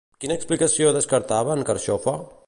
Quina explicació descartava en Carxofa?